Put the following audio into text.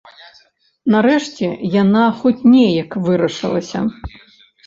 Нарэшце яна хоць неяк вырашылася.